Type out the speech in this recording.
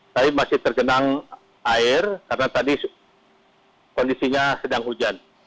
tapi masih tergenang air karena tadi kondisinya sedang hujan